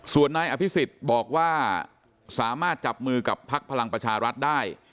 ส่วนนายอภิษฎบอกว่าสามารถจับมือกับพักพลังประชารัฐได้